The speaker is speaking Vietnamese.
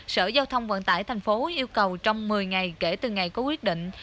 sở giao thông vận tải tp hcm yêu cầu trong một mươi ngày kể từ ngày có quyết định